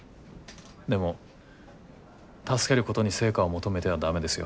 でも助けることに成果を求めては駄目ですよ。